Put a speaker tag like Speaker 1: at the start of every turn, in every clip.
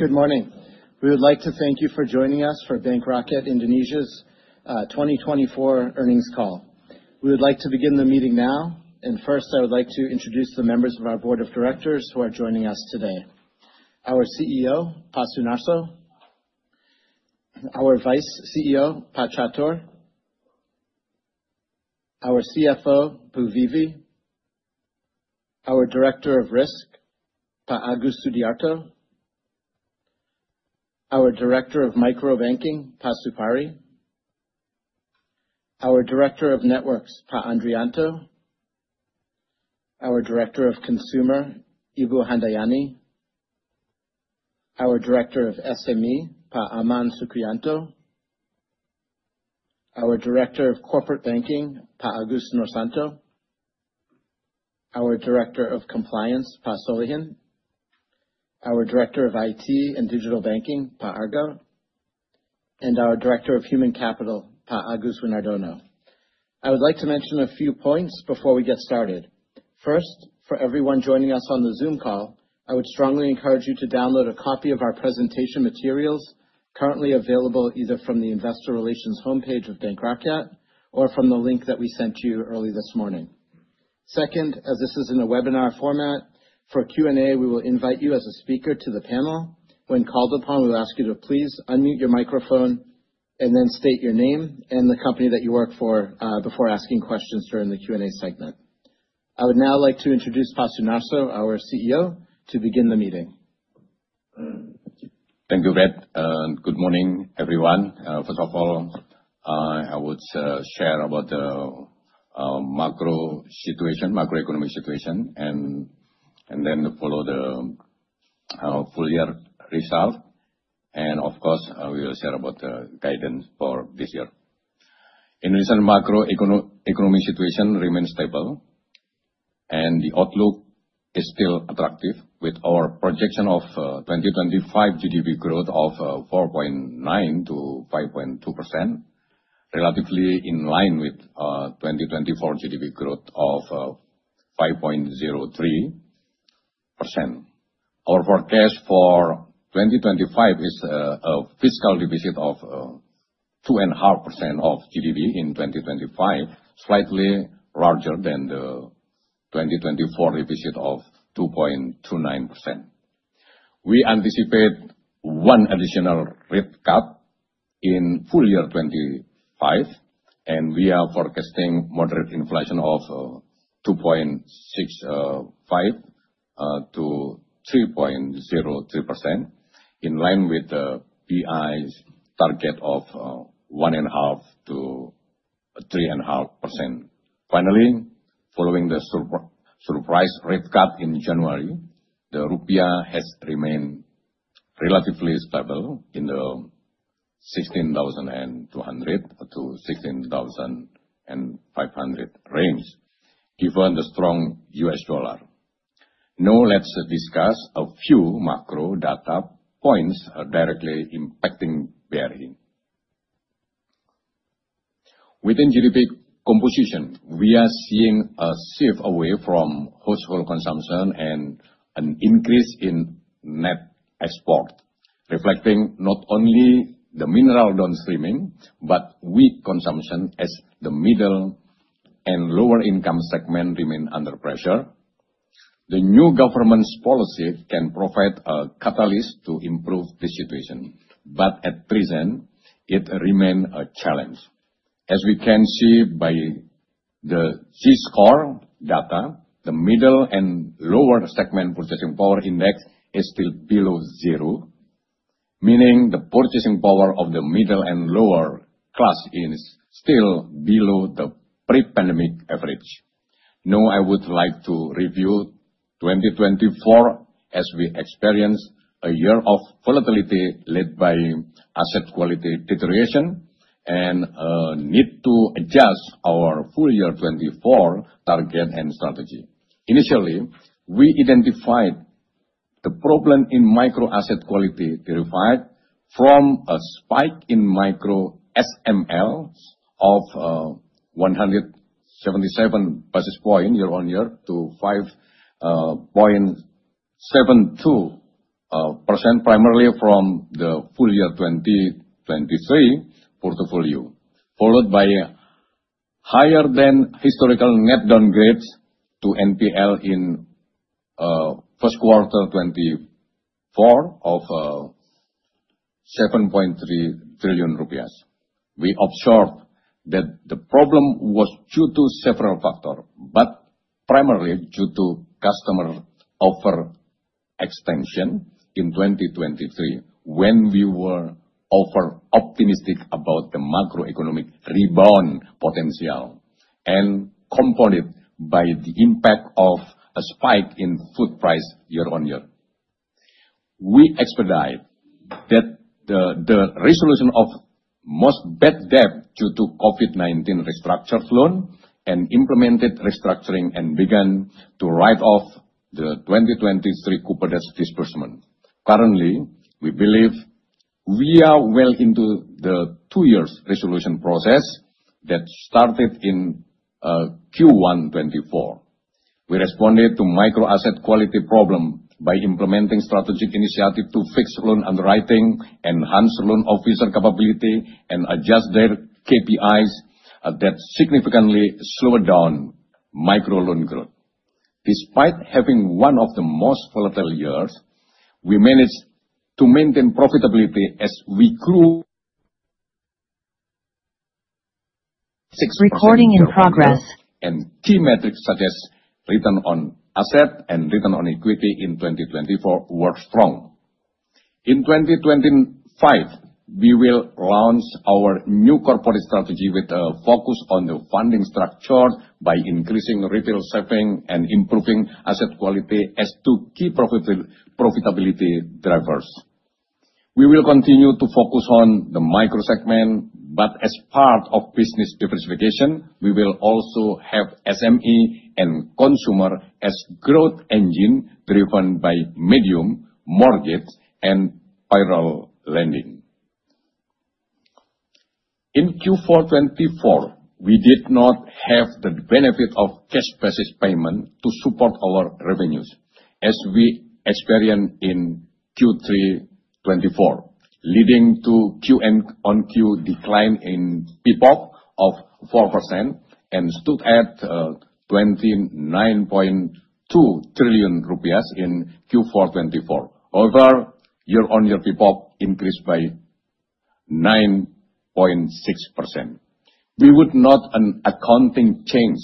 Speaker 1: Good morning. We would like to thank you for joining us for Bank Rakyat Indonesia's 2024 Earnings Call. We would like to begin the meeting now. First, I would like to introduce the members of our Board of Directors who are joining us today, our CEO, Pak Sunarso, our Vice CEO, Pak Catur, our CFO, Bu Vivi, our Director of Risk, Pak Agus Sudiarto, our Director of Microbanking, Pak Supari, our Director of Networks, Pak Andrijanto, our Director of Consumer, Ibu Handayani, our Director of SME, Pak Amam Sukriyanto, our Director of Corporate Banking, Pak Agus Noorsanto, our Director of Compliance, Pak Solichin, our Director of IT and Digital Banking, Pak Arga, and our Director of Human Capital, Pak Agus Winardono. I would like to mention a few points before we get started. First, for everyone joining us on the Zoom call, I would strongly encourage you to download a copy of our presentation materials, currently available either from the Investor Relations homepage of Bank Rakyat or from the link that we sent you early this morning. Second, as this is in a webinar format, for Q&A, we will invite you as a speaker to the panel. When called upon, we will ask you to please unmute your microphone and then state your name, and the company that you work for before asking questions during the Q&A segment. I would now like to introduce Pak Sunarso, our CEO, to begin the meeting.
Speaker 2: Thank you, Brett. Good morning, everyone. First of all, I would share about the macroeconomic situation, and then follow the full year result and of course we will share about the guidance for this year. In recent, the macroeconomic situation remains stable, and the outlook is still attractive with our projection of 2025 GDP growth of 4.9%-5.2%, relatively in line with 2024 GDP growth of 5.03%. Our forecast for 2025 is a fiscal deficit of 2.5% of GDP in 2025, slightly larger than the 2024 deficit of 2.29%. We anticipate one additional rate cut in full year 2025, and we are forecasting moderate inflation of 2.65%-3.03%, in line with the BI's target of 1.5%-3.5%. Finally, following the surprise rate cut in January, the rupiah has remained relatively stable in the 16,200-16,500 range, given the strong U.S. dollar. Now let's discuss a few macro data points directly impacting BRI. Within GDP composition, we are seeing a shift away from household consumption and an increase in net export, reflecting not only the mineral downstreaming, but weak consumption as the middle and lower-income segment remain under pressure. The new government's policy can provide a catalyst to improve this situation, but at present, it remains a challenge. As we can see by the C-score data, the middle and lower segment purchasing power index is still below zero. Meaning the purchasing power of the middle and lower-class is still below the pre-pandemic average. Now, I would like to review 2024, as we experience a year of volatility led by asset quality deterioration, and a need to adjust our full-year 2024 target and strategy. Initially, we identified the problem in micro asset quality derived from a spike in micro SMLs of 177 basis points year-on-year to 5.72%, primarily from the full-year 2023 portfolio, followed by higher-than-historical net downgrades to NPL in first quarter 2024, of 7.3 trillion rupiah. We observed that the problem was due to several factors, but primarily due to customer offer extension in 2023, when we were over-optimistic about the macroeconomic rebound potential, and compounded by the impact of a spike in food price year-on-year. We expedited the resolution of most bad debt due to COVID-19 restructuring loan and implemented restructuring, and began to write off the 2023 cooperative disbursement. Currently, we believe we are well into the two-year resolution process that started in Q1 2024. We responded to the micro asset quality problem by implementing strategic initiatives to fix loan underwriting, enhance loan officer capability, and adjust their KPIs that significantly slowed down micro loan growth. Despite having one of the most volatile years, we managed to maintain profitability as we grew, and team metrics such as return on asset and return on equity in 2024 were strong.
Speaker 3: Recording in progress.
Speaker 2: In 2025, we will launch our new corporate strategy, with a focus on the funding structure by increasing retail savings, and improving asset quality as two key profitability drivers. We will continue to focus on the micro segment. As part of business diversification, we will also have SME and consumer as growth engines driven by medium mortgage and payroll lending. In Q4 2024, we did not have the benefit of cash basis payment to support our revenues, as we experienced in Q3 2024, leading to Q on Q decline in PPOP of 4% and stood at IDR 29.2 trillion in Q4 2024. However, year-on-year PPOP increased by 9.6%. We would note an accounting change,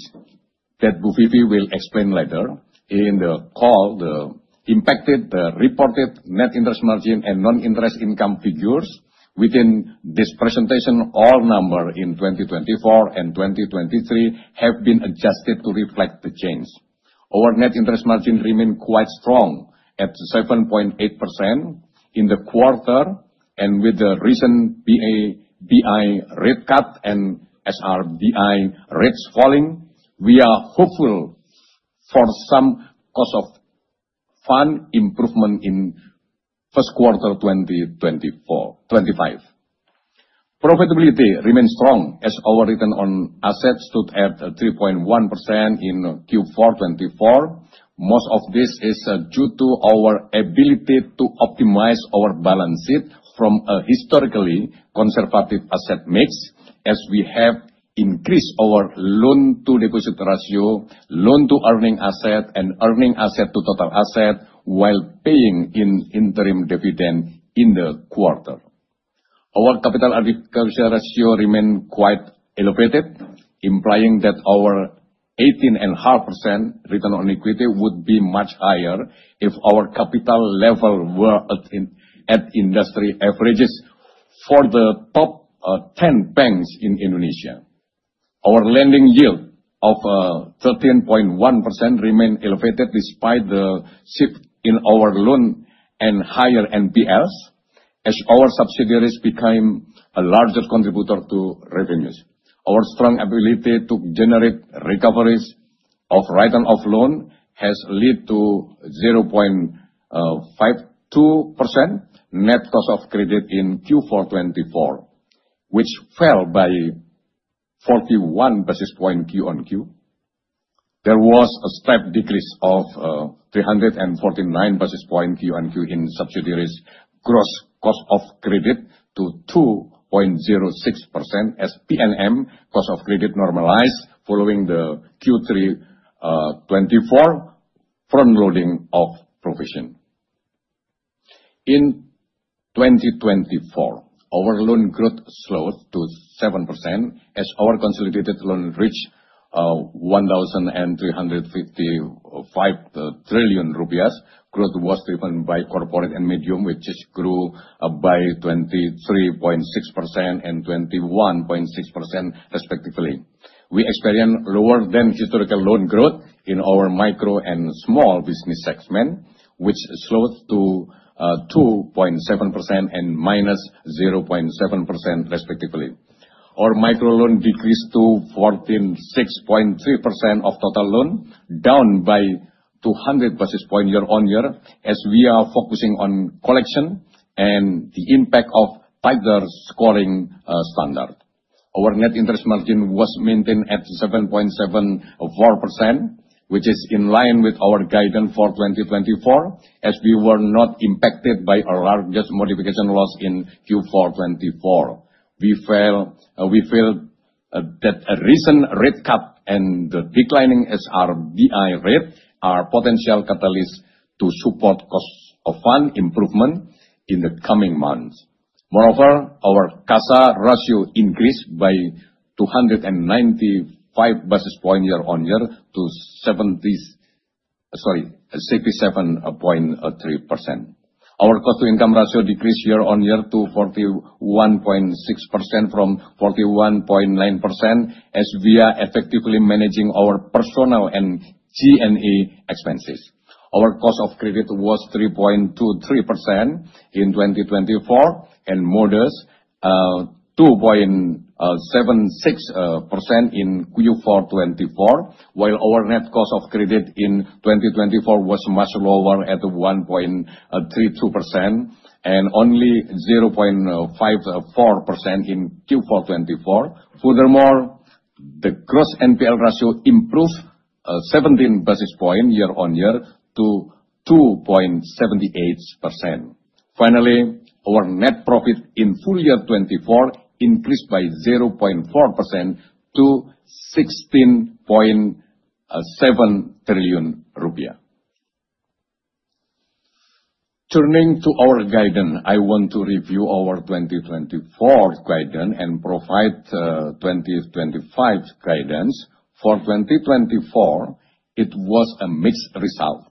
Speaker 2: that Bu Vivi will explain later in the call, that impacted the reported net interest margin and non-interest income figures. Within this presentation, all numbers in 2024 and 2023 have been adjusted to reflect the change. Our net interest margin remained quite strong at 7.8% in the quarter. With the recent BI rate cut and SRBI rates falling, we are hopeful for some cost of fund improvement in first quarter 2025. Profitability remained strong as our return on assets stood at 3.1% in Q4 2024. Most of this is due to our ability to optimize our balance sheet from a historically conservative asset mix, as we have increased our loan-to-deposit ratio, loan-to-earning asset, and earning asset to total asset, while paying an interim dividend in the quarter. Our capital adequacy ratio remained quite elevated, implying that our 18.5% return on equity would be much higher if our capital level were at industry averages for the top 10 banks in Indonesia. Our lending yield of 13.1% remained elevated despite the shift in our loan and higher NPLs, as our subsidiaries became a larger contributor to revenues. Our strong ability to generate recoveries of write-off loans has led to 0.52% net cost of credit in Q4 2024, which fell by 41 basis points Q on Q. There was a step decrease of 349 basis points Q on Q in subsidiaries' gross cost of credit to 2.06%, as PNM cost of credit normalized following the Q3 2024 front-loading of provision. In 2024, our loan growth slowed to 7%, as our consolidated loan reached 1,355 trillion rupiah. Growth was driven by corporate and medium, which grew by 23.6% and 21.6%, respectively. We experienced lower-than-historical loan growth in our micro and small business segment, which slowed to 2.7% and -0.7%, respectively. Our micro loan decreased to 14.63% of total loan, down by 200 basis points year-on-year as we are focusing on collection and the impact of tighter scoring standards. Our net interest margin was maintained at 7.74%, which is in line with our guidance for 2024, as we were not impacted by our largest modification loss in Q4 2024. We feel that a recent rate cut and the declining SRBI rate are potential catalysts to support cost of fund improvement in the coming months. Moreover, our CASA ratio increased by 295 basis points year-on-year to 67.3%. Our cost-to-income ratio decreased year-on-year to 41.6% from 41.9%, as we are effectively managing our personal and G&A expenses. Our cost of credit was 3.23% in 2024 and modest 2.76% in Q4 2024, while our net cost of credit in 2024 was much lower at 1.32% and only 0.54% in Q4 2024. Furthermore, the gross NPL ratio improved 17 basis points year-on-year to 2.78%. Finally, our net profit in full year 2024 increased by 0.4% to IDR 16.7 trillion. Turning to our guidance, I want to review our 2024 guidance and provide 2025 guidance. For 2024, it was a mixed result.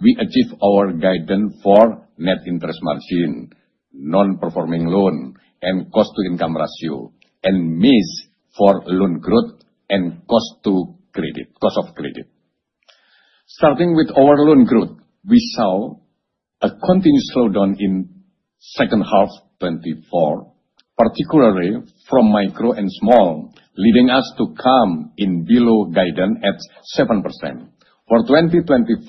Speaker 2: We achieved our guidance for net interest margin, non-performing loan, and cost-to-income ratio, and mixed for loan growth and cost of credit. Starting with our loan growth, we saw a continued slowdown in second half 2024, particularly from micro and small, leading us to come in below guidance at 7%. For 2025,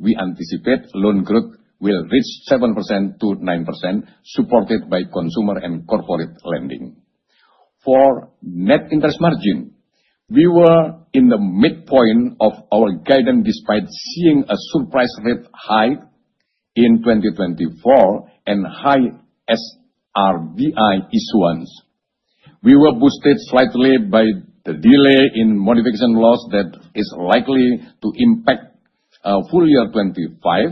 Speaker 2: we anticipate loan growth will reach 7%-9%, supported by consumer and corporate lending. For net interest margin, we were in the midpoint of our guidance despite seeing a surprise rate hike in 2024 and high SRBI issuance. We were boosted slightly by the delay in modification loss that is likely to impact full-year 2025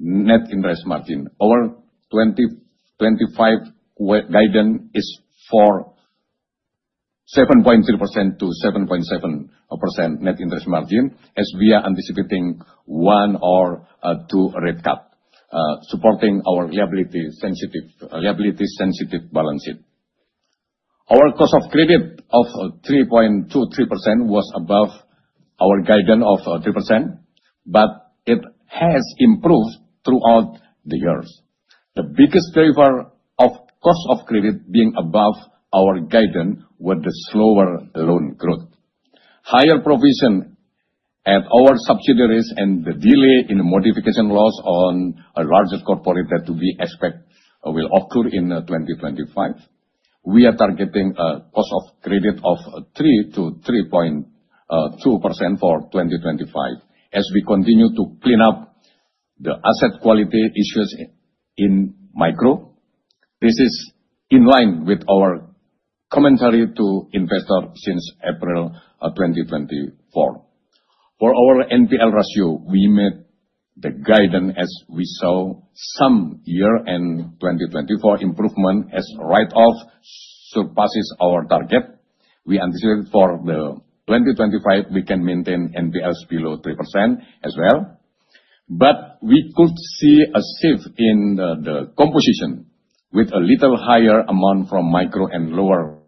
Speaker 2: net interest margin. Our 2025 guidance is for 7.3%-7.7% net interest margin, as we are anticipating one or two rate cuts, supporting our liability-sensitive balance sheet. Our cost of credit of 3.23% was above our guidance of 3%, but it has improved throughout the years. The biggest driver of cost of credit being above our guidance was the slower loan growth, higher provision at our subsidiaries, and the delay in modification loss on a larger corporate that we expect will occur in 2025. We are targeting a cost of credit of 3%-3.2% for 2025, as we continue to clean up the asset quality issues in micro. This is in line with our commentary to investors since April 2024. For our NPL ratio, we met the guidance, as we saw some year-end 2024 improvement as write-off surpasses our target. We anticipate for the 2025, we can maintain NPLs below 3% as well, but we could see a shift in the composition with a little higher amount from micro and lower.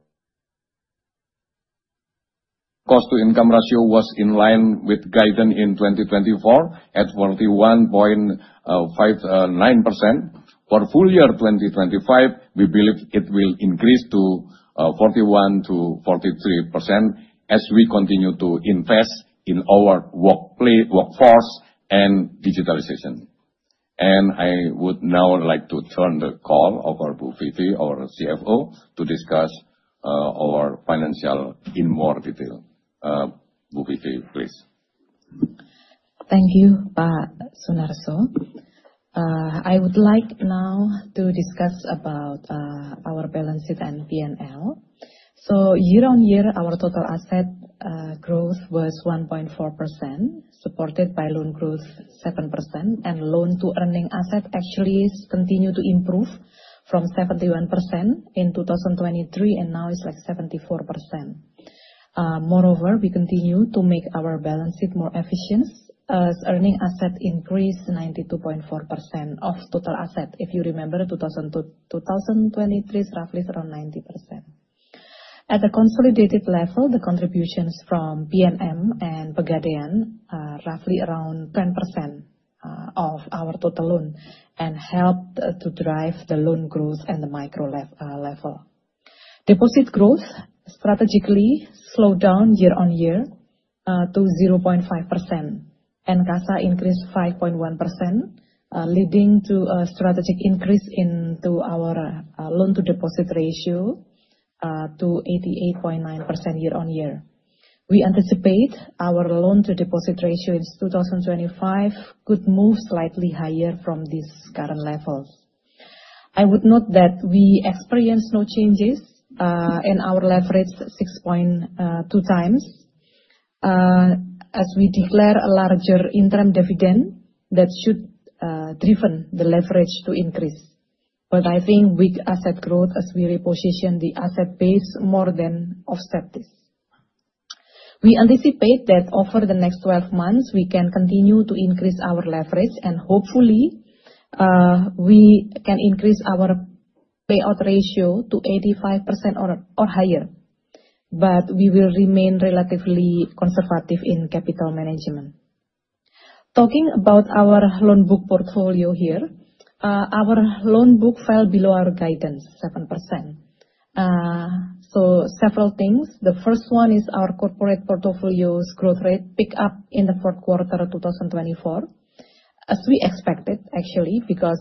Speaker 2: Cost-to-income ratio was in line with guidance in 2024 at 41.59%. For full year 2025, we believe it will increase to 41%-43%, as we continue to invest in our workforce and digitalization. I would now like to turn the call over to Bu Vivi, our CFO, to discuss our financials in more detail. Bu Vivi, please.
Speaker 4: Thank you, Pak Sunarso. I would like now to discuss about our balance sheet and PNL, so year-on-year, our total asset growth was 1.4%, supported by loan growth 7%, and loan-to-earning asset actually continued to improve from 71% in 2023 and now is like 74%. Moreover, we continue to make our balance sheet more efficient as earning asset increased 92.4% of total asset. If you remember, 2023 is roughly around 90%. At a consolidated level, the contributions from PNM and Pegadaian are roughly around 10% of our total loan, and helped to drive the loan growth and the micro level. Deposit growth strategically slowed down year-on-year to 0.5%, and CASA increased 5.1%, leading to a strategic increase in our loan-to-deposit ratio to 88.9% year-on-year. We anticipate our loan-to-deposit ratio in 2025, could move slightly higher from this current level. I would note that we experienced no changes in our leverage, 6.2x as we declared a larger interim dividend that should drive the leverage to increase, but I think weak asset growth, as we reposition the asset base more than offset this. We anticipate that over the next 12 months, we can continue to increase our leverage, and hopefully, we can increase our payout ratio to 85% or higher, but we will remain relatively conservative in capital management. Talking about our loan book portfolio here, our loan book fell below our guidance, 7%, so several things. The first one is our corporate portfolio's growth rate picked up in the fourth quarter of 2024, as we expected actually, because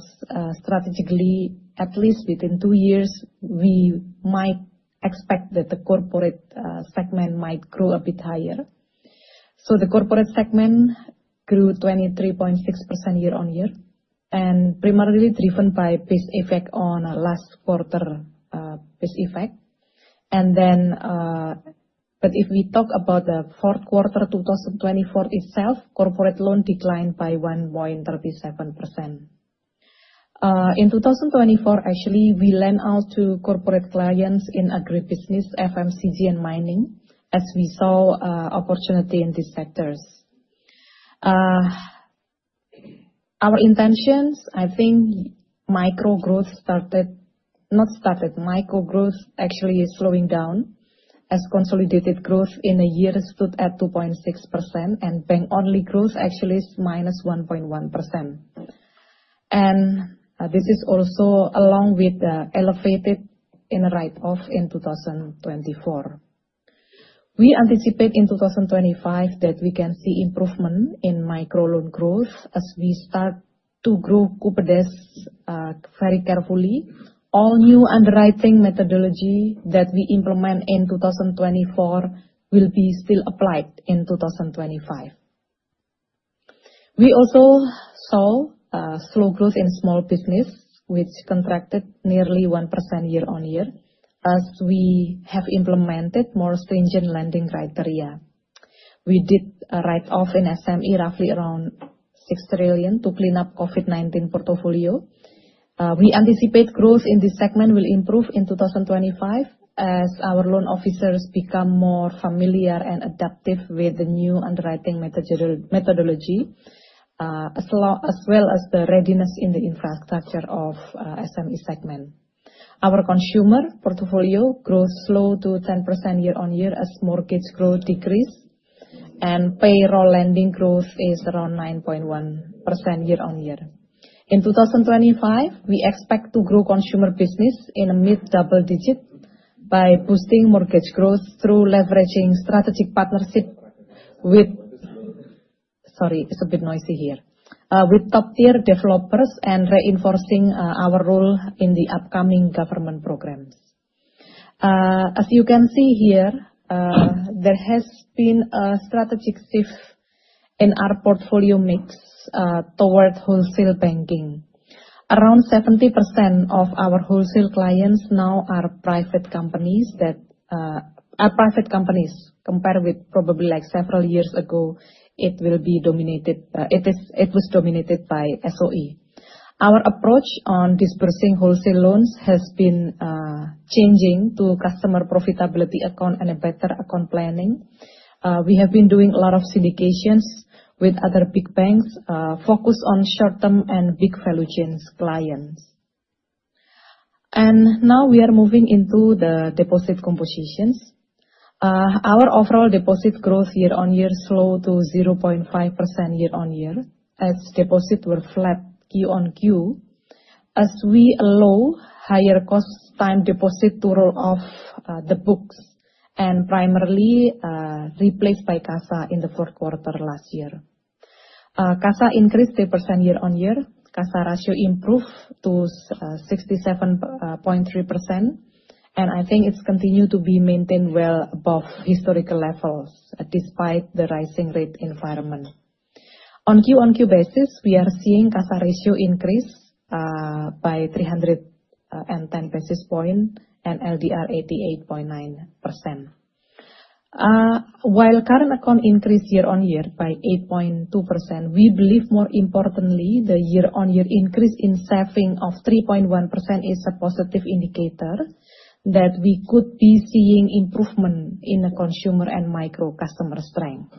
Speaker 4: strategically, at least within two years, we might expect that the corporate segment might grow a bit higher. The corporate segment grew 23.6% year-on-year, and primarily driven by base effect on last quarter base effect. But if we talk about the fourth quarter 2024 itself, corporate loan declined by 1.37%. In 2024, actually we lent out to corporate clients in agribusiness, FMCG, and mining, as we saw opportunity in these sectors. Our intentions, I think micro growth actually is slowing down, as consolidated growth in a year stood at 2.6% and bank-only growth actually is -1.1%. This is also along with the elevated in write-off in 2024. We anticipate in 2025 that we can see improvement in micro loan growth, as we start to grow Kupedes very carefully. All new underwriting methodology that we implement in 2024 will be still applied in 2025. We also saw slow growth in small business, which contracted nearly 1% year-on-year, as we have implemented more stringent lending criteria. We did write-off in SME roughly around 6 trillion, to clean up COVID-19 portfolio. We anticipate growth in this segment will improve in 2025, as our loan officers become more familiar and adaptive with the new underwriting methodology, as well as the readiness in the infrastructure of SME segment. Our consumer portfolio grows slow to 10% year-on-year as mortgage growth decreases, and payroll lending growth is around 9.1% year-on-year. In 2025, we expect to grow consumer business in a mid-double digit, by boosting mortgage growth through leveraging strategic partnership with top-tier developers, and reinforcing our role in the upcoming government programs. As you can see here, there has been a strategic shift in our portfolio mix toward wholesale banking. Around 70% of our wholesale clients now are private companies, compared with probably like several years ago, it was dominated by SOE. Our approach on disbursing wholesale loans has been changing to customer profitability accounting, and a better account planning. We have been doing a lot of syndications with other big banks, focused on short-term and big value chain clients. Now we are moving into the deposit compositions. Our overall deposit growth year-on-year slowed to 0.5% year-on-year, as deposits were flat Q on Q, as we allow higher cost time deposit to roll off the books and primarily replaced by CASA in the fourth quarter last year. CASA increased 3% year-on-year. CASA ratio improved to 67.3%, and I think it's continued to be maintained well above historical levels despite the rising rate environment. On Q on Q basis, we are seeing CASA ratio increase by 310 basis points and LDR 88.9%. While current account increased year-on-year by 8.2%, we believe more importantly, the year-on-year increase in savings of 3.1% is a positive indicator that we could be seeing improvement in the consumer and micro customer strength.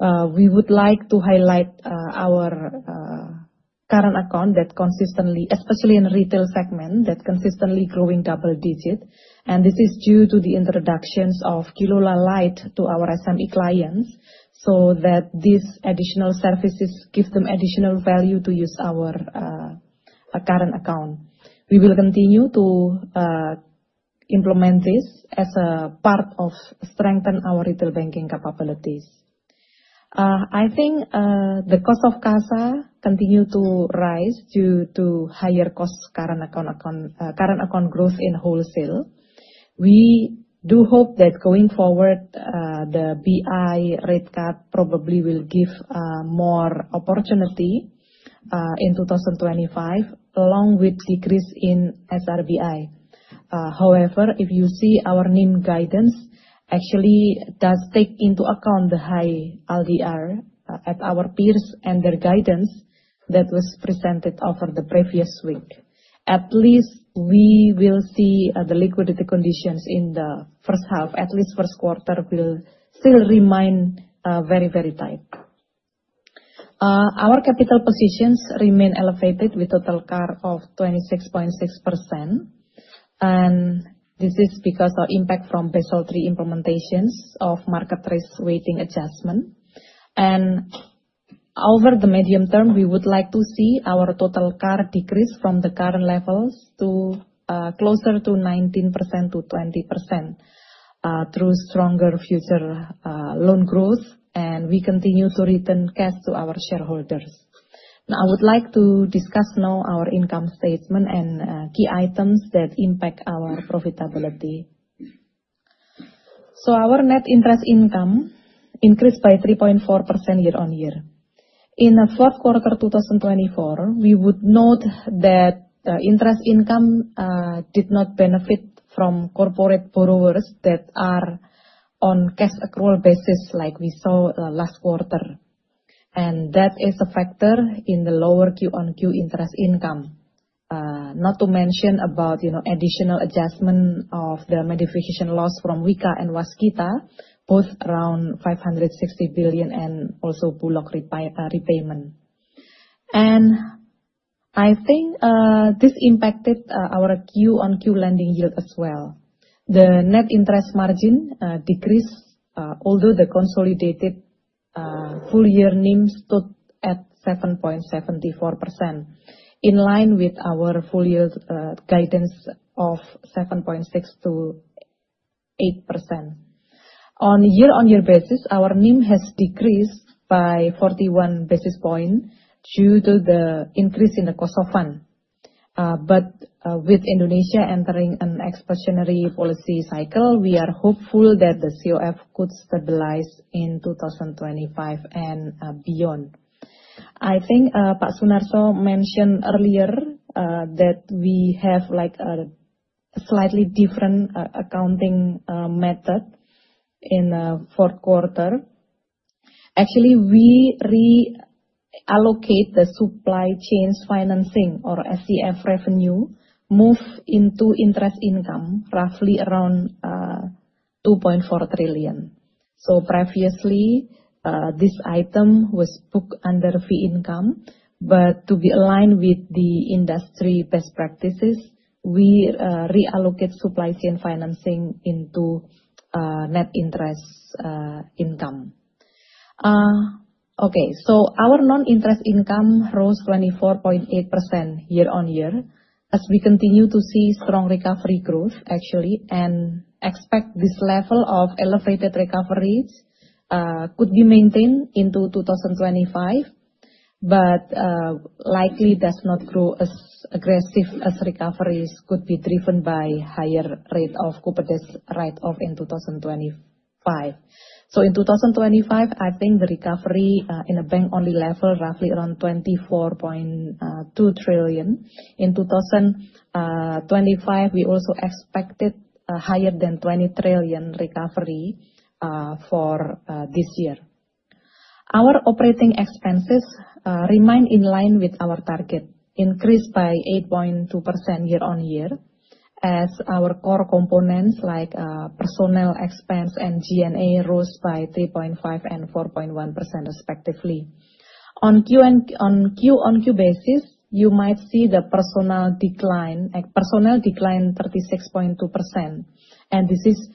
Speaker 4: We would like to highlight our current account, especially in retail segment, that's consistently growing double digit. This is due to the introductions of QLola Lite to our SME clients, so that these additional services give them additional value to use our current account. We will continue to implement this as a part of strengthening our retail banking capabilities. I think the cost of CASA continues to rise due to higher cost current account growth in wholesale. We do hope that going forward, the BI rate cut probably will give more opportunity in 2025, along with a decrease in SRBI. However, if you see, our NIM guidance actually does take into account the high LDR at our peers and their guidance that was presented over the previous week. At least we will see the liquidity conditions in the first half, at least first quarter will still remain very, very tight. Our capital positions remain elevated with total CAR of 26.6%. This is because of impact from Basel III implementations of market risk weighting adjustment. Over the medium term, we would like to see our total CAR decrease from the current levels to closer to 19%-20% through stronger future loan growth, and we continue to return cash to our shareholders. Now, I would like to discuss now our income statement and key items that impact our profitability. Our net interest income increased by 3.4% year-on-year. In the fourth quarter 2024, we would note that the interest income did not benefit from corporate borrowers that are on cash accrual basis like we saw last quarter. That is a factor in the lower Q on Q interest income. Not to mention about additional adjustment of the modification loss from WIKA and Waskita, both around 560 billion and also bulk repayment. I think this impacted our Q on Q lending yield as well. The net interest margin decreased, although the consolidated full-year NIM stood at 7.74%, in line with our full-year's guidance of 7.6%-8%. On year-on-year basis, our NIM has decreased by 41 basis points, due to the increase in the cost of fund. With Indonesia entering an expansionary policy cycle, we are hopeful that the COF could stabilize in 2025 and beyond. I think Pak Sunarso mentioned earlier that we have like a slightly different accounting method in the fourth quarter. Actually, we reallocate the supply chain financing or SEF revenue moved into interest income, roughly around 2.4 trillion. Previously, this item was booked under fee income, but to be aligned with the industry best practices, we reallocate supply chain financing into net interest income. Okay, so our non-interest income rose 24.8% year-on-year, as we continue to see strong recovery growth actually and expect this level of elevated recoveries could be maintained into 2025, but likely does not grow as aggressive as recoveries could be driven by higher rate of Kupedes write-off in 2025. In 2025, I think the recovery in a bank-only level are roughly around 24.2 trillion. In 2025, we also expected higher than 20 trillion recovery for this year. Our operating expenses remain in line with our target, increased by 8.2% year-on-year as our core components like personnel expense and G&A rose by 3.5% and 4.1% respectively. On Q on Q basis, you might see the personnel decline 36.2%. This is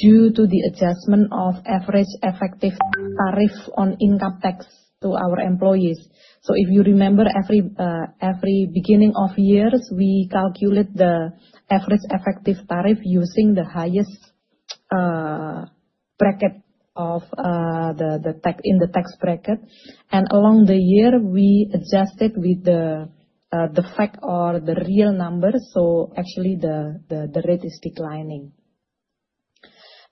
Speaker 4: due to the adjustment of average effective tariff on income tax to our employees. If you remember, every beginning of years, we calculate the average effective tariff using the highest in the tax bracket. Along the year, we adjusted with the fact or the real number, so actually the rate is declining.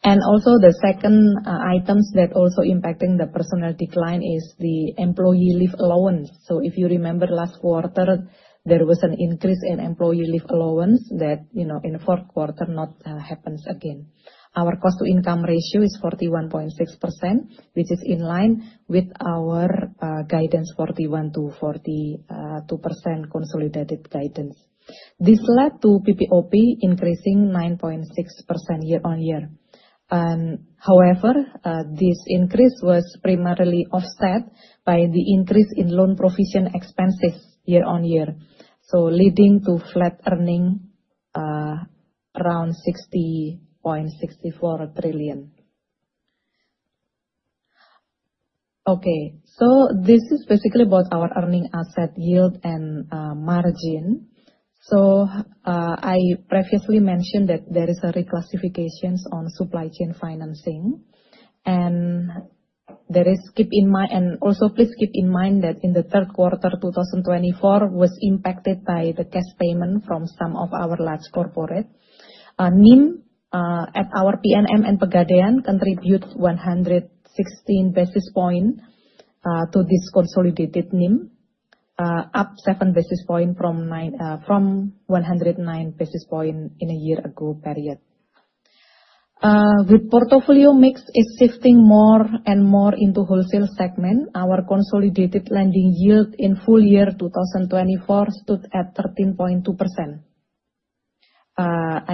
Speaker 4: Also, the second items that is also impacting the personnel decline is the employee leave allowance. If you remember last quarter, there was an increase in employee leave allowance, that in the fourth quarter not happens again. Our cost-to-income ratio is 41.6%, which is in line with our guidance, 41%-42% consolidated guidance. This led to PPOP increasing 9.6% year-on-year. However, this increase was primarily offset by the increase in loan provision expenses year-on-year, so leading to flat earnings around IDR 60.64 trillion. Okay, so this is basically about our earning asset yield and margin. I previously mentioned that there is a reclassification on supply chain financing. Also, please keep in mind that in the third quarter 2024, was impacted by the cash payment from some of our large corporate. NIM at our PNM and Pegadaian contribute 116 basis points to this consolidated NIM, up 7 basis points from 109 basis points in a year ago period. With portfolio mix, it's shifting more and more into wholesale segment, our consolidated lending yield in full year 2024 stood at 13.2%.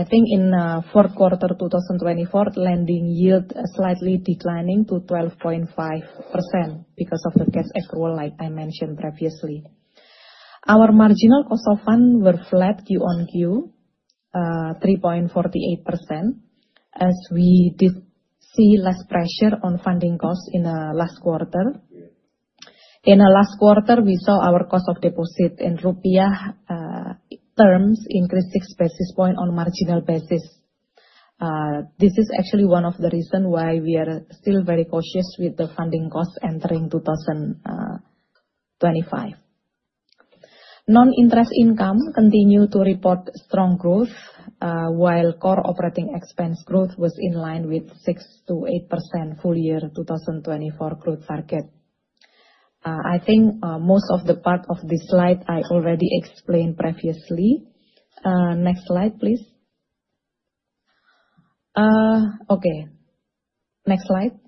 Speaker 4: I think in the fourth quarter 2024, lending yield slightly declining to 12.5%, because of the cash accrual-like I mentioned previously. Our marginal cost of fund were flat Q on Q, 3.48%, as we did see less pressure on funding costs in the last quarter. In the last quarter, we saw our cost of deposit in rupiah terms increase 6 basis points on marginal basis. This is actually one of the reasons why we are still very cautious with the funding costs entering 2025. Non-interest income continued to report strong growth, while core operating expense growth was in line with 6%-8% full-year 2024 growth target. I think most of the part of this slide I already explained previously. Next slide, please. Okay, next slide.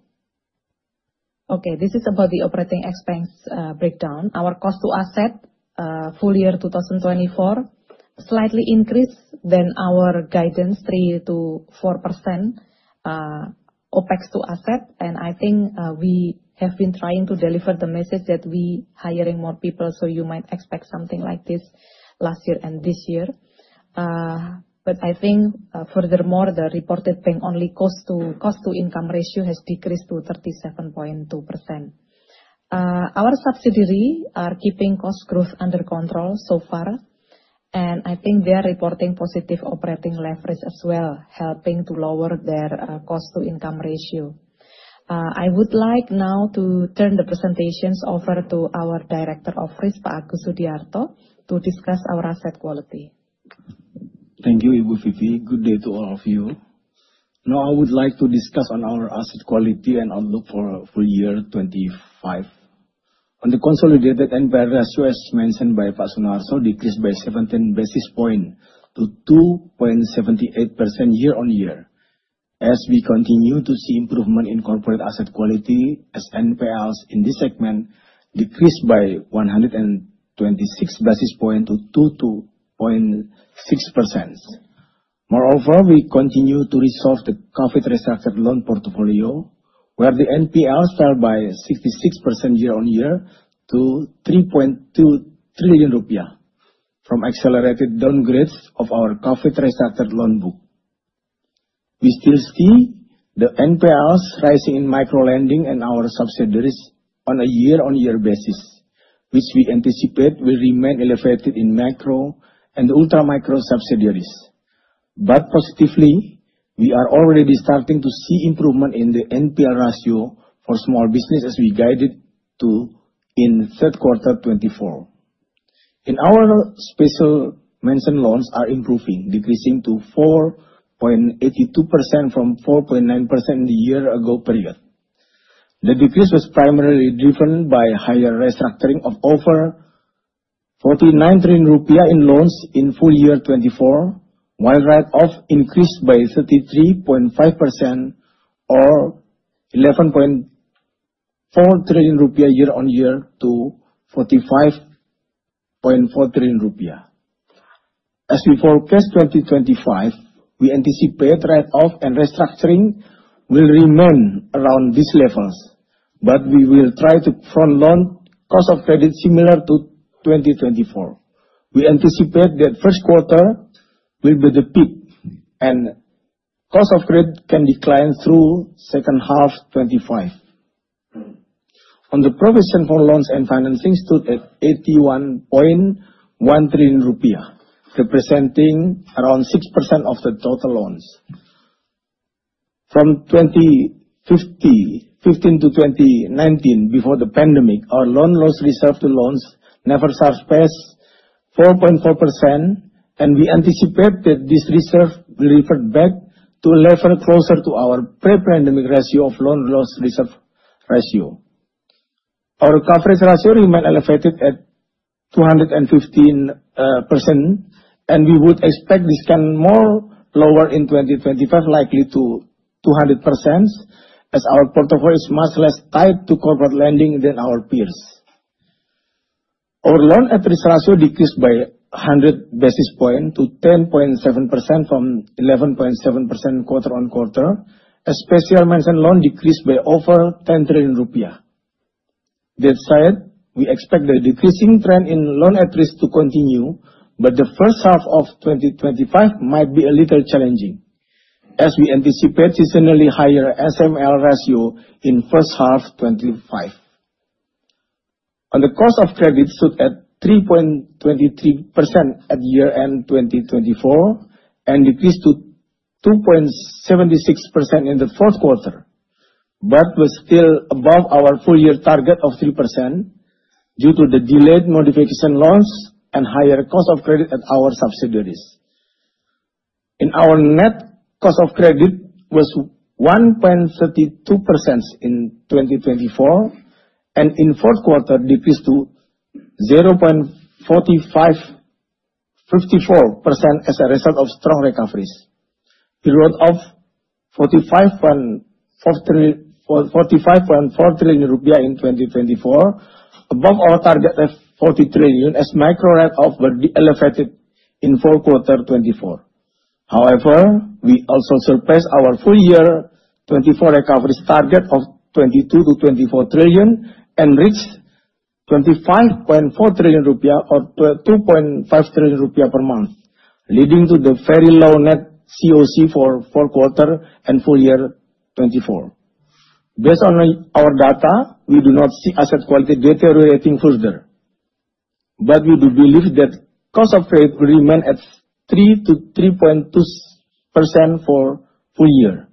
Speaker 4: Okay, this is about the operating expense breakdown. Our cost to asset full-year 2024 slightly increased than our guidance, 3%-4% OpEx to asset. I think we have been trying to deliver the message that we are hiring more people, so you might expect something like this last year and this year. I think furthermore, the reported bank-only cost-to-income ratio has decreased to 37.2%. Our subsidiaries are keeping cost growth under control so far, and I think they are reporting positive operating leverage as well, helping to lower their cost-to-income ratio. I would like now to turn the presentation over to our Director of Risk, Pak Agus Sudiarto, to discuss our asset quality.
Speaker 5: Thank you, Bu Vivi. Good day to all of you. Now, I would like to discuss our asset quality and outlook for full-year 2025. On the consolidated NPL ratio, as mentioned by Pak Sunarso, decreased by 17 basis points to 2.78% year-on-year. As we continue to see improvement in corporate asset quality, NPLs in this segment decreased by 126 basis points to 2.6%. Moreover, we continue to resolve the COVID restructured loan portfolio, where the NPLs fell by 66% year-on-year to 3.2 trillion rupiah, from accelerated downgrades of our COVID restructured loan book. We still see the NPLs rising in micro lending and our subsidiaries on a year-on-year basis, which we anticipate will remain elevated in micro and ultra-micro subsidiaries. Positively, we are already starting to see improvement in the NPL ratio for small business, as we guided to in third quarter 2024. Our special mention loans are improving, decreasing to 4.82% from 4.9% in the year-ago period. The decrease was primarily driven by higher restructuring of over 49 trillion rupiah in loans in full year 2024, while write-off increased by 33.5% or 11.4 trillion rupiah year-on-year to 45.4 trillion rupiah. As we forecast 2025, we anticipate write-off and restructuring will remain around these levels, but we will try to front-loan cost of credit similar to 2024. We anticipate that first quarter will be the peak, and cost of credit can decline through second half 2025. The provision for loans and financing stood at 81.1 trillion rupiah, representing around 6% of the total loans. From 2015-2019, before the pandemic, our loan loss reserve to loans never surpassed 4.4%, and we anticipate that this reserve will revert back to a level closer to our pre-pandemic ratio of loan loss reserve ratio. Our coverage ratio remained elevated at 215% and we would expect this can more lower in 2025, likely to 200%, as our portfolio is much less tied to corporate lending than our peers. Our loan at risk ratio decreased by 100 basis points to 10.7% from 11.7% quarter-on-quarter. Special mention loans decreased by over 10 trillion rupiah. That said, we expect the decreasing trend in loan at risk to continue, but the first half of 2025 might be a little challenging, as we anticipate seasonally higher SML ratio in first half 2025. On the cost of credit, it stood at 3.23% at year-end 2024 and decreased to 2.76% in the fourth quarter, but was still above our full-year target of 3% due to the delayed modification losses and higher cost of credit at our subsidiaries. In our net cost of credit, it was 1.32% in 2024 and in fourth quarter, decreased to 0.54% as a result of strong recoveries. We write off 45.4 trillion rupiah in 2024, above our target of 40 trillion as micro write-offs were de-elevated in fourth quarter 2024. However, we also surpassed our full year 2024 recovery target of 22-24 trillion and reached 25.4 trillion rupiah or 2.5 trillion rupiah per month, leading to the very low net COC for fourth quarter and full year 2024. Based on our data, we do not see asset quality deteriorating further, but we do believe that cost of credit will remain at 3%-3.2% for full year,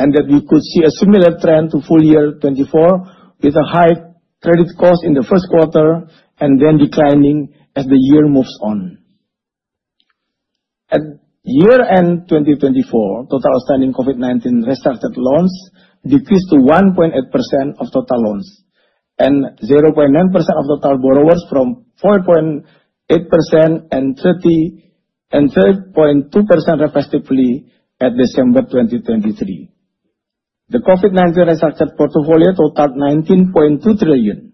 Speaker 5: and that we could see a similar trend to full year 2024, with a high credit cost in the first quarter and then declining as the year moves on. At year-end 2024, total outstanding COVID-19 restructured loans decreased to 1.8% of total loans, and 0.9% of total borrowers from 4.8% and 3.2% respectively at December 2023. The COVID-19 restructured portfolio totaled 19.2 trillion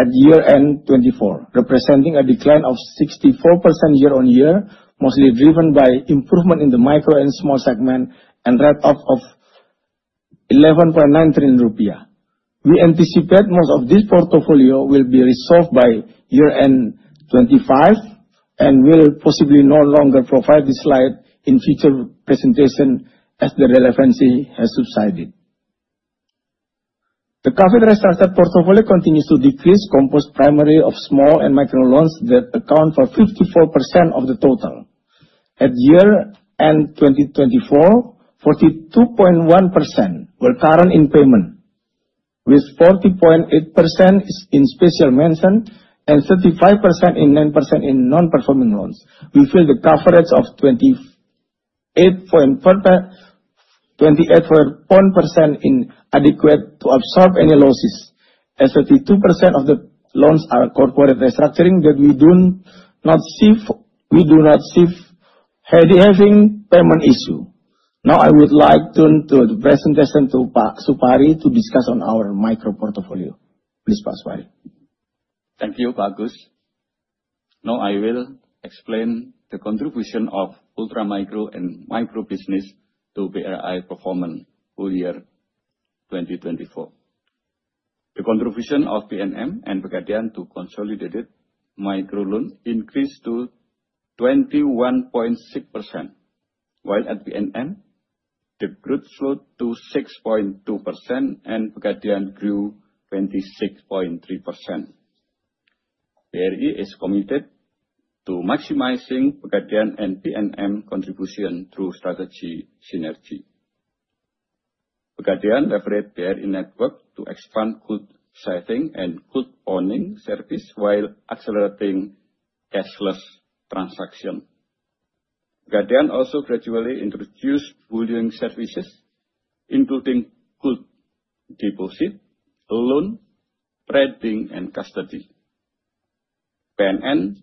Speaker 5: at year-end 2024, representing a decline of 64% year-on-year, mostly driven by improvement in the micro and small segment, and write-off of 11.9 trillion rupiah. We anticipate most of this portfolio will be resolved by year-end 2025, and will possibly no longer provide this slide in future presentation as the relevancy has subsided. The COVID restructured portfolio continues to decrease, composed primarily of small and micro loans that account for 54% of the total. At year-end 2024, 42.1% were current in payment, with 40.8% in special mention and 55% in non-performing loans. We feel the coverage of 28.4% is adequate to absorb any losses, as 32% of the loans are corporate restructuring that we do not see having a payment issue. Now I would like to turn to the presentation to Pak Supari to discuss on our micro portfolio. Please, Pak Supari.
Speaker 6: Thank you, Pak Agus. Now I will explain the contribution of ultra-micro and micro business to BRI performance full year 2024. The contribution of PNM and Pegadaian to consolidated micro loan increased to 21.6%, while at PNM, the growth slowed to 6.2% and Pegadaian grew 26.3%. BRI is committed to maximizing Pegadaian and PNM contribution through strategy synergy. Pegadaian leveraged BRI network to expand goods [selling] and goods pawning service, while accelerating cashless transaction. Pegadaian also gradually introduced bullion services, including goods deposit, loan, trading, and custody. PNM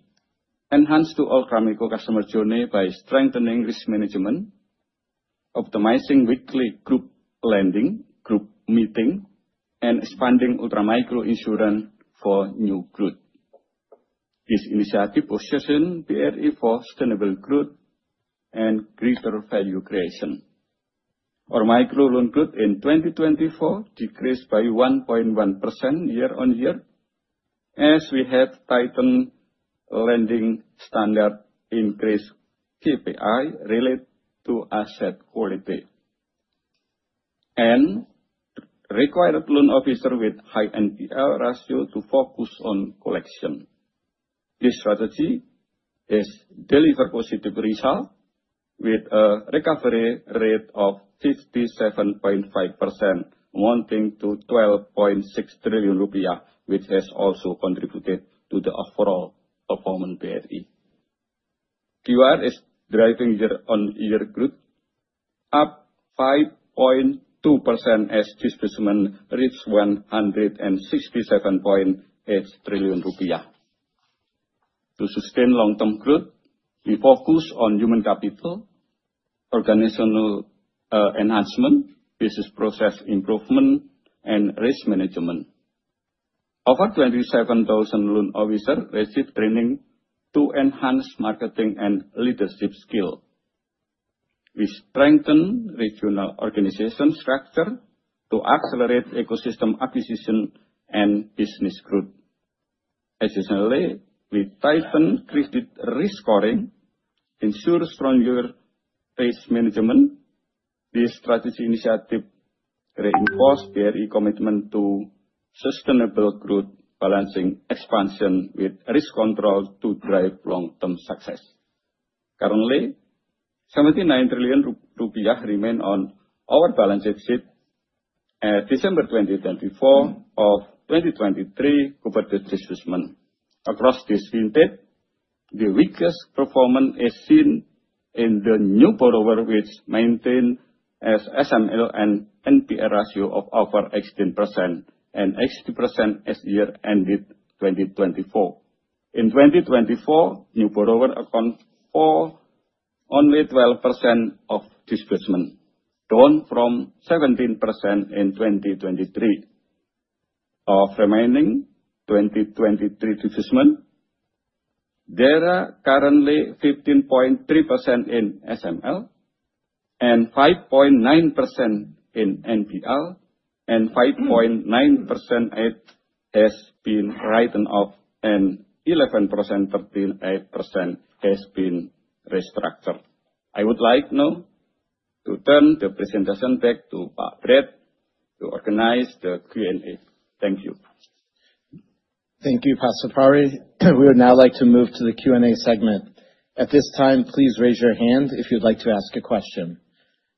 Speaker 6: enhanced the ultra-micro customer journey by strengthening risk management, optimizing weekly group lending, group meeting, and expanding ultra-micro insurance for new growth. This initiative was chosen by BRI for sustainable growth and greater value creation. Our micro loan growth in 2024 decreased by 1.1% year-on-year, as we had tightened lending standards and increased KPIs related to asset quality, and required loan officers with high NPL ratios to focus on collection. This strategy has delivered positive results, with a recovery rate of 57.5%, amounting to 12.6 trillion rupiah, which has also contributed to the overall performance of BRI. KUR is driving year-on-year growth up 5.2% as this segment reached 167.8 trillion rupiah. To sustain long-term growth, we focus on human capital, organizational enhancement, business process improvement, and risk management. Over 27,000 loan officers received training to enhance marketing and leadership skills. We strengthened regional organizational structure, to accelerate ecosystem acquisition and business growth. Additionally, we tightened credit risk scoring, ensured stronger risk management. This strategic initiative reinforced BRI's commitment to sustainable growth, balancing expansion with risk control to drive long-term success. Currently, 79 trillion rupiah remains on our balance sheet as of December 2024 of 2023. Across this [vintage], the weakest performance is seen in the new borrower, which maintained SML and NPL ratio of over [18% and at 16] as year-end 2024. In 2024, new borrower account, only 12% of disbursement, down from 17% in 2023. Of remaining 2023 [disbursement], there are currently 15.3% in SML and 5.9% in NPL, and 5.9% has been written off and [11%-13%] has been restructured. I would like now to turn the presentation back to Pak Brett to organize the Q&A. Thank you.
Speaker 1: Thank you, Pak Supari. We would now like to move to the Q&A segment. At this time, please raise your hand if you'd like to ask a question.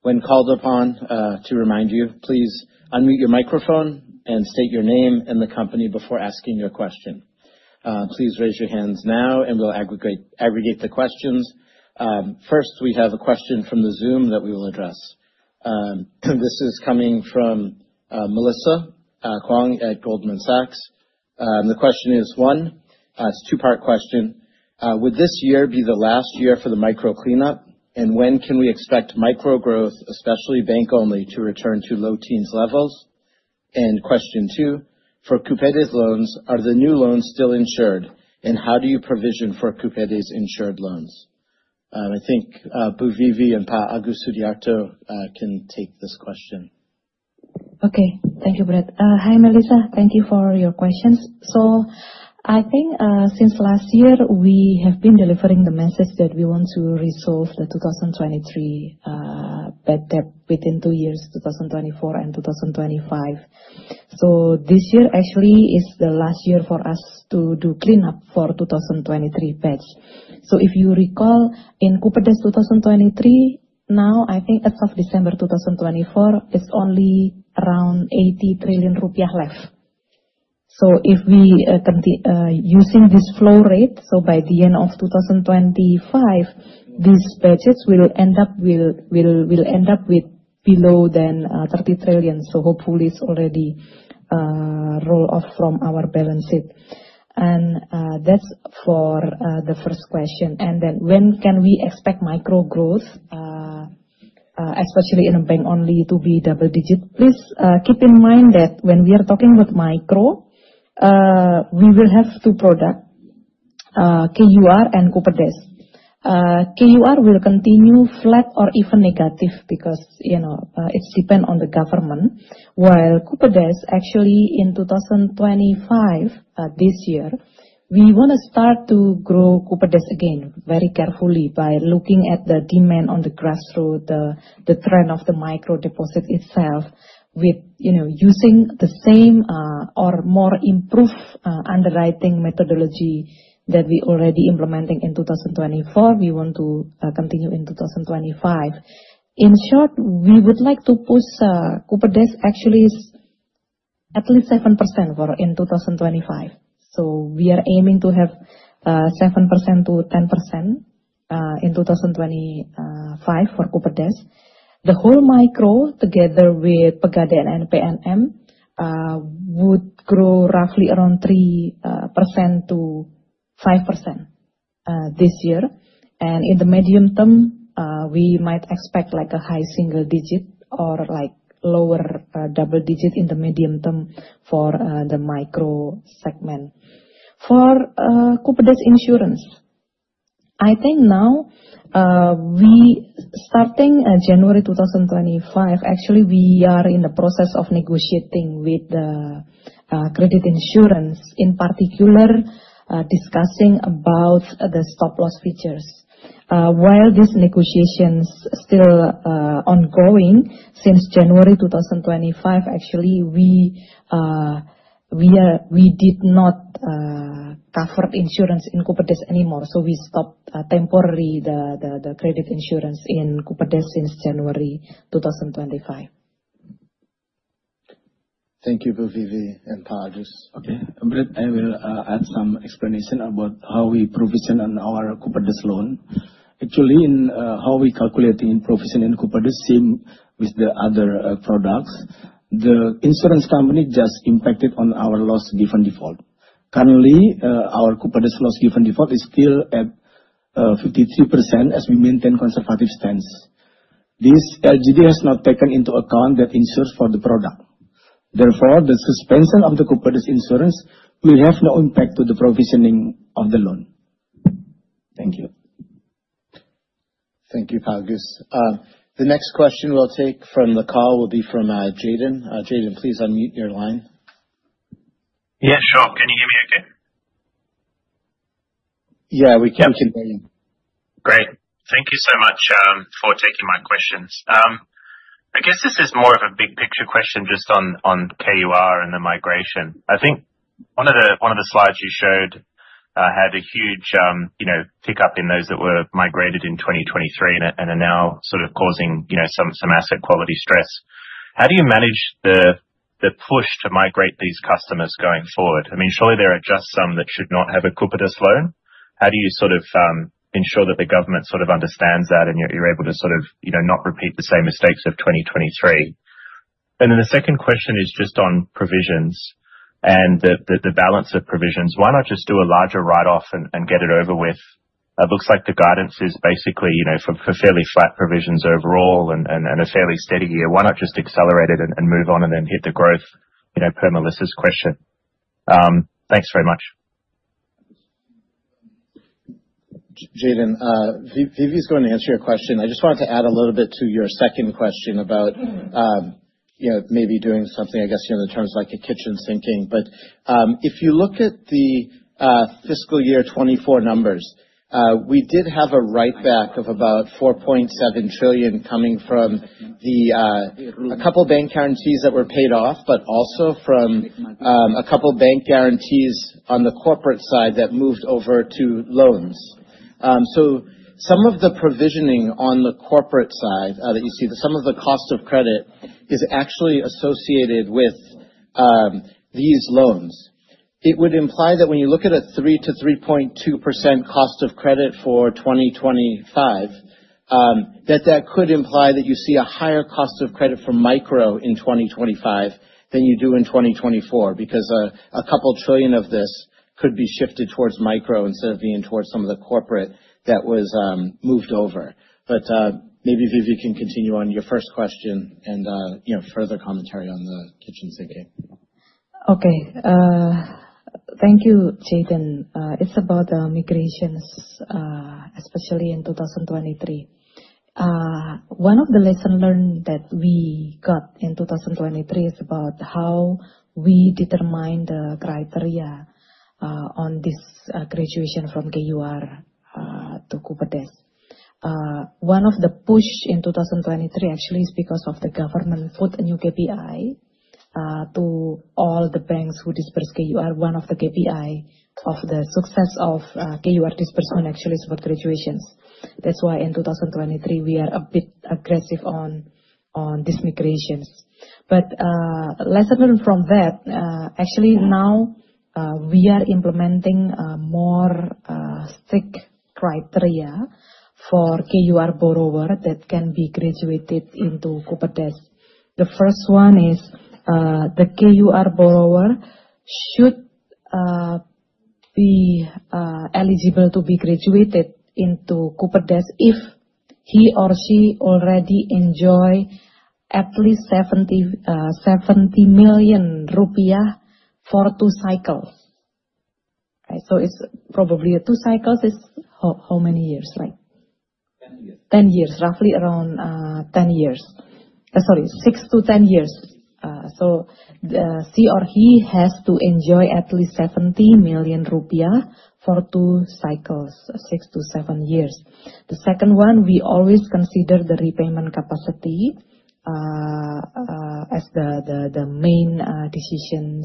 Speaker 1: When called upon, to remind you, please unmute your microphone and state your name and the company before asking your question. Please raise your hands now, and we'll aggregate the questions. First, we have a question from the Zoom that we will address. This is coming from Melissa Kuang at Goldman Sachs. The question is, one, it's a two-part question, would this year be the last year for the micro cleanup, and when can we expect micro growth, especially bank-only to return to low teens levels? Question two, for Kupedes loans, are the new loans still insured and how do you provision for Kupedes insured loans? I think Bu Vivi and Pak Agus Sudiarto can take this question.
Speaker 4: Okay. Thank you, Brett. Hi, Melissa. Thank you for your questions. I think since last year, we have been delivering the message that we want to resolve the 2023 bad debt within two years, 2024 and 2025. This year actually is the last year for us to do cleanup for the 2023 batch. If you recall, in Kupedes 2023, now I think as of December 2024, it's only around 80 trillion rupiah left. If we continue using this flow rate, by the end of 2025, these batches will end up with below than 30 trillion. Hopefully, it's already rolled off from our balance sheet. That's for the first question. Then, when can we expect micro growth, especially in bank-only to be double-digit? Please keep in mind that when we are talking about micro, we will have two products, KUR and Kupedes. KUR will continue flat or even negative because it depends on the government, while Kupedes actually in 2025, this year, we want to start to grow Kupedes again very carefully, by looking at the demand on the grassroots, the trend of the micro deposit itself, with using the same or more improved underwriting methodology that we are already implementing in 2024. We want to continue in 2025. In short, we would like to push Kupedes actually at least 7% in 2025, so we are aiming to have 7%-10% in 2025 for Kupedes. The whole micro together with Pegadaian and PNM would grow roughly around 3%-5% this year. In the medium term, we might expect a high single digit or like lower double digit in the medium term for the micro segment. For Kupedes insurance, I think now, starting January 2025, actually we are in the process of negotiating with the credit insurance, in particular discussing about the stop-loss features. While these negotiations are still ongoing since January 2025, actually we did not cover insurance in Kupedes anymore. We stopped temporarily the credit insurance in Kupedes since January 2025.
Speaker 1: Thank you, Bu Vivi and Pak Agus.
Speaker 5: Okay, I will add some explanation about how we provision on our Kupedes loan. Actually, how we calculate in provision in Kupedes, same with the other products. The insurance company just impacted on our loss given default. Currently, our Kupedes loss given default is still at 53% as we maintain conservative stance. This LGD has not taken into account that insurance for the product. Therefore, the suspension of the Kupedes insurance will have no impact on the provisioning of the loan. Thank you.
Speaker 1: Thank you, Pak Agus. The next question we'll take from the call will be from Jaden. Jaden, please unmute your line.
Speaker 7: Yeah, sure. Can you hear me okay?
Speaker 1: Yeah, we can hear you.
Speaker 7: Great, thank you so much for taking my questions. I guess this is more of a big picture question just on KUR and the migration. I think one of the slides you showed had a huge pickup in those that were migrated in 2023, and are now sort of causing some asset quality stress. How do you manage the push to migrate these customers going forward? I mean, surely there are just some that should not have a Kupedes loan. How do you ensure that the government sort of understands that, and you're able to sort of not repeat the same mistakes of 2023? Then the second question is just on provisions and the balance of provisions. Why not just do a larger write-off and get it over with? It looks like the guidance is basically for fairly flat provisions overall and a fairly steady year. Why not just accelerate it and move on, and then hit the growth per Melissa's question? Thanks very much.
Speaker 1: Jaden, Vivi is going to answer your question. I just wanted to add a little bit to your second question about maybe doing something, I guess, in the terms like a kitchen sinking. If you look at the fiscal year 2024 numbers, we did have a write-back of about 4.7 trillion coming from a couple of bank guarantees that were paid off, but also from a couple of bank guarantees on the corporate side that moved over to loans. Some of the provisioning on the corporate side that you see, some of the cost of credit is actually associated with these loans. It would imply that when you look at a 3%-3.2% cost of credit for 2025, that that could imply that you see a higher cost of credit for micro in 2025 than you do in 2024, because a couple of trillion of this could be shifted towards micro instead of being towards some of the corporate that was moved over. Maybe Vivi can continue on your first question, and further commentary on the kitchen sinking.
Speaker 4: Okay. Thank you, Jaden. It's about migrations, especially in 2023. One of the lessons learned that we got in 2023 is about how we determined the criteria on this graduation from KUR to Kupedes. One of the pushes in 2023 actually is because of the government put a new KPI to all the banks who disbursed KUR. One of the KPIs of the success of KUR disbursement actually is about graduations. That's why in 2023, we are a bit aggressive on these migrations. Lessons learned from that, actually now we are implementing a more strict criteria for KUR borrowers that can be graduated into Kupedes. The first one is, the KUR borrower should be eligible to be graduated into Kupedes if he or she already enjoys at least 70 million rupiah for two cycles. Two cycles is how many years?
Speaker 8: 10 years.
Speaker 4: 10 years, roughly around six to 10 years, so he or she has to enjoy at least 70 million rupiah for two cycles, six to seven years. The second one, we always consider the repayment capacity as the main decision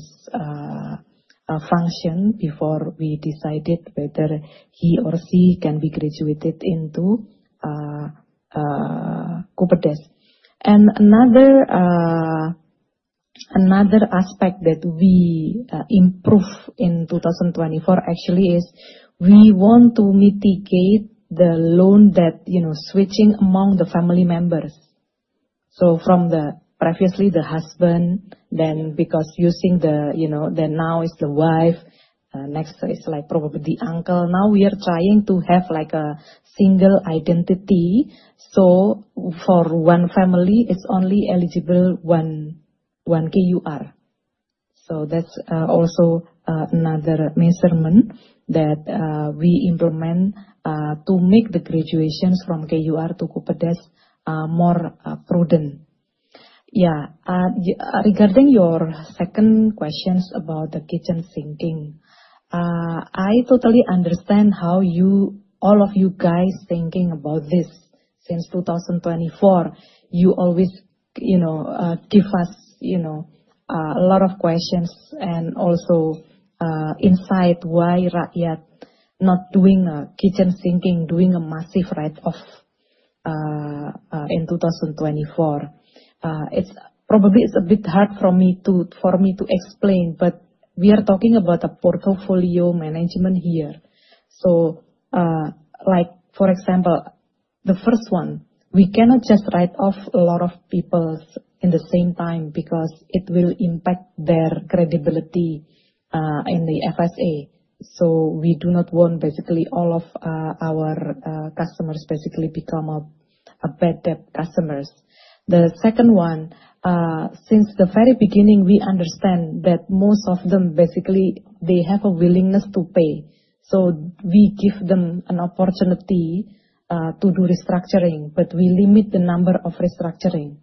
Speaker 4: function, before we decide whether he or she can be graduated into Kupedes. Another aspect that we improved in 2024 actually is, we want to mitigate the loan, switching among the family members. From previously, the husband, then now is the wife, next is probably the uncle. Now we are trying to have a single identity. For one family, it's only eligible one KUR. That's also another measurement that we implement to make the graduations from KUR to Kupedes more prudent. Yeah, regarding your second question about the kitchen sinking, I totally understand how all of you guys are thinking about this. Since 2024, you always give us a lot of questions and also insight why Rakyat is not doing a kitchen sinking, doing a massive write-off in 2024. It's probably a bit hard for me to explain, but we are talking about a portfolio management here. For example, the first one, we cannot just write off a lot of people in the same time, because it will impact their credibility in the FSA. We do not want basically all of our customers basically to become bad debt customers. The second one, since the very beginning, we understand that most of them basically have a willingness to pay. We give them an opportunity to do restructuring, but we limit the number of restructuring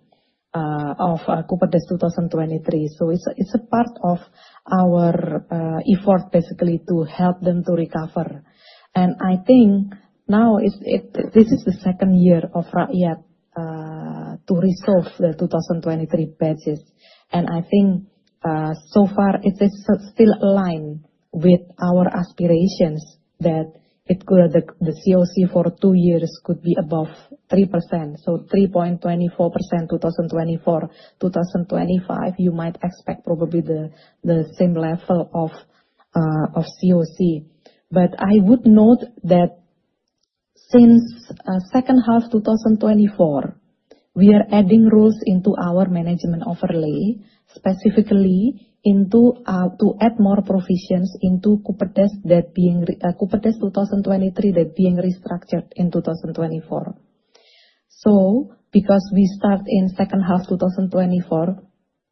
Speaker 4: of Kupedes 2023. It's a part of our effort basically to help them to recover. I think now this is the second year of Rakyat to resolve the 2023 batches. I think so far it is still aligned with our aspirations that the COC for two years could be above 3%, so 3.24% 2024. 2025, you might expect probably the same level of COC. I would note that since second half 2024, we are adding rules into our management overlay, specifically to add more provisions into Kupedes 2023, that are being restructured in 2024. Because we start in second half 2024,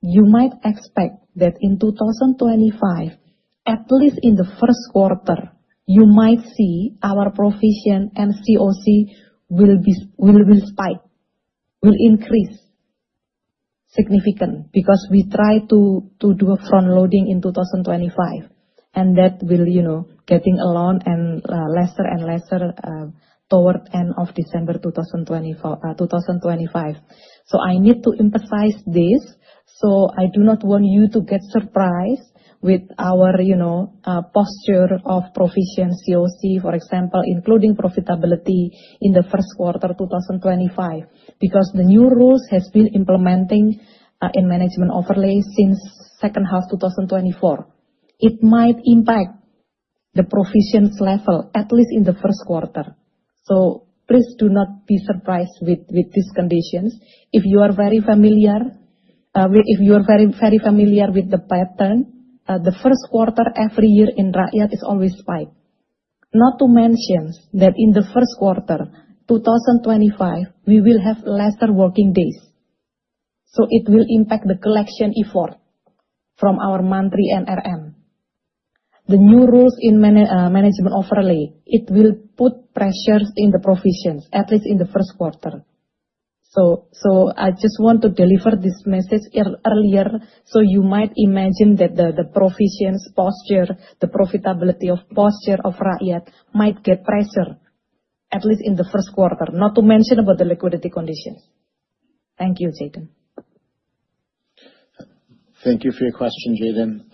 Speaker 4: you might expect that in 2025, at least in the first quarter, you might see our provision and COC will spike, will increase significantly because we try to do a front-loading in 2025. That will be getting lower, and lesser and lesser toward the end of December 2025. I need to emphasize this. I do not want you to get surprised with our posture of provision COC, for example, including profitability in the first quarter 2025, because the new rules have been implemented in management overlay since second half 2024. It might impact the provisions level at least in the first quarter, so please do not be surprised with these conditions. If you are very familiar with the pattern, the first quarter every year in Rakyat always spikes. Not to mention that in the first quarter 2025, we will have lesser working days. It will impact the collection effort from our monthly NRM. The new rules in management overlay, it will put pressure in the provisions, at least in the first quarter. I just want to deliver this message earlier. You might imagine that the provisions posture, the profitability posture of Rakyat might get pressure, at least in the first quarter, not to mention about the liquidity conditions. Thank you, Jaden.
Speaker 1: Thank you for your question, Jaden.